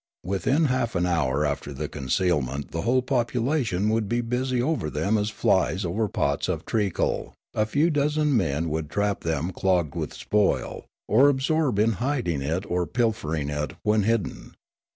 Within half an hour after the concealment the whole population would be busy over them as flies over pots of treacle ; a few dozen men would trap them clogged with spoil, or absorbed in hiding it or pilfering it when hidden.